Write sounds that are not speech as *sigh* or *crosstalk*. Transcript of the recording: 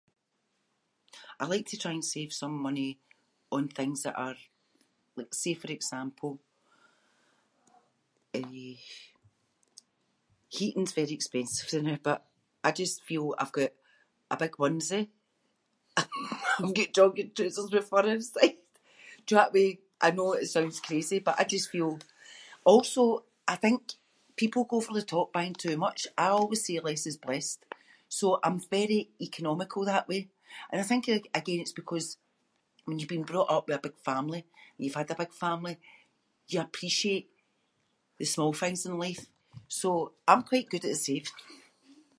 I like to try and save some money on things that are- like, say for example, eh, heating’s very expensive the noo but I just feel I’ve got a big onesie, *laughs* I’ve got jogging troosers with fur inside. Do you know that way I know it sounds crazy but I just feel-. Also, I think people go over the top buying too much. I always say less is blessed, so I’m very economical that way. And I think a- again it’s because when you’ve been brought up with a big family, you’ve had a big family, you appreciate the small things in life, so, I’m quite good at saving.